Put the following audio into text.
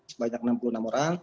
sebanyak enam puluh enam orang